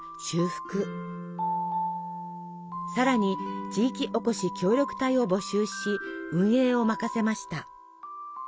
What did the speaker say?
さらに地域おこし協力隊を募集し運営を任せました。